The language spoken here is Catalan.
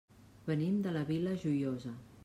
Venim de la Vila Joiosa.